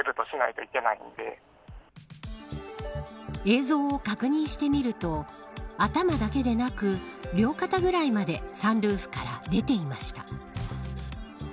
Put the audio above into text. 映像を確認してみると頭だけでなく両肩ぐらいまでサンルーフから出ていました。